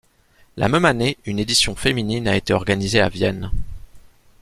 La même année une édition féminine a été organisée à Vienne.